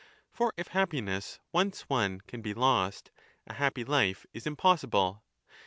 For if happiness once won can be lostj^ a happy life is impossible.